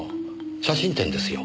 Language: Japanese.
写真展ですよ。